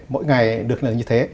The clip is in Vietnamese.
mỗi ngày được là như thế